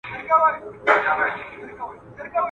ورزش د ناروغیو مخه نیسي.